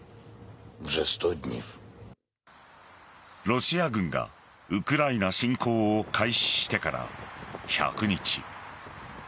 ロシア軍がウクライナ侵攻を開始してから１００日。